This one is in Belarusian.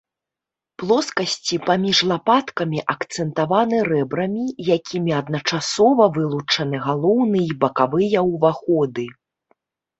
Плоскасці паміж лапаткамі акцэнтаваны рэбрамі, якімі адначасова вылучаны галоўны і бакавыя ўваходы.